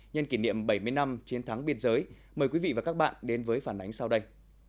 nhân kỷ niệm bảy mươi năm chiến thắng biên giới mời quý vị và các bạn đến với phản ánh sau đây